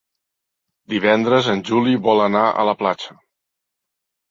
Divendres en Juli vol anar a la platja.